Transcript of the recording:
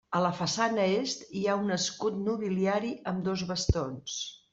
A la façana est hi ha un escut nobiliari amb dos bastons.